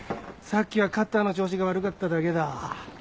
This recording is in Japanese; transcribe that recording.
さっきはカッターの調子が悪かっただけだ。